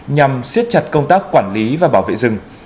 nhằm siết chặt công tác quản lý và bảo vệ rừng